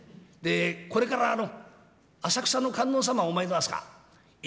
これから浅草の観音様お参りしますか。